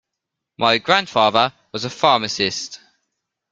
My grandfather was a pharmacist.